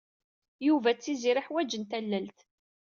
Yuba d Tiziri ḥwajen tallalt.